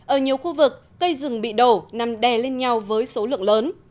ở nhiều khu vực cây rừng bị đổ nằm đè lên nhau với số lượng lớn